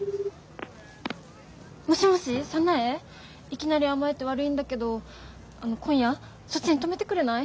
いきなり甘えて悪いんだけど今夜そっちに泊めてくれない？